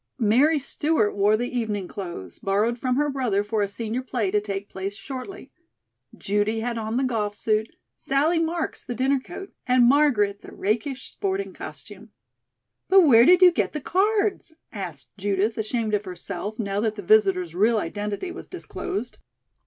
Mary Stewart wore the evening clothes, borrowed from her brother for a senior play to take place shortly. Judy had on the golf suit, Sallie Marks the dinner coat and Margaret the rakish sporting costume. "But where did you get the cards?" asked Judith, ashamed of herself, now that the visitors' real identity was disclosed.